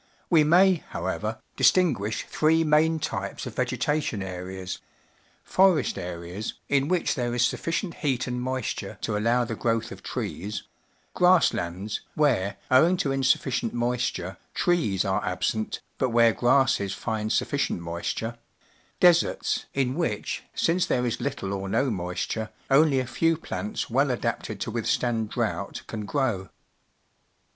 W e may, however, distinguish three main types_of \egetation areas : /ores/ areas, in which there is sufficient heat and moisture to allow the growth of trees; grass lands, where, owing to insufficient moisture, trees are absent, but where grasses find sufficient moisture; deserts, in which, since there is little or no moisture, onb'^a_fe\v„plants well adapted to withstand drought can grow.